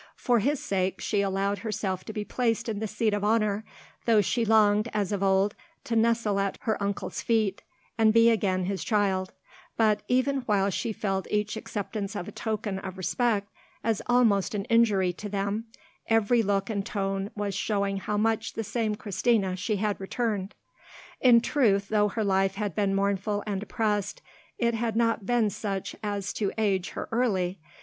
For his sake, she allowed herself to be placed in the seat of honour, though she longed, as of old, to nestle at her uncle's feet, and be again his child; but, even while she felt each acceptance of a token of respect as almost an injury to them, every look and tone was showing how much the same Christina she had returned. In truth, though her life had been mournful and oppressed, it had not been such as to age her early.